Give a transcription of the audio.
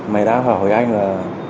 mày đã hỏi anh là